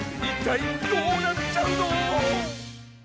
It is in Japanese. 一体どうなっちゃうの？